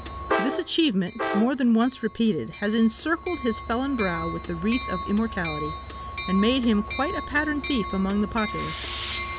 This achievement, more than once repeated, has encircled his felon brow with the wreath of immortality, and made him quite a pattern thief among the populace.